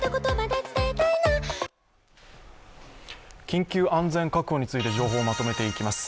緊急安全確保について情報をまとめていきます。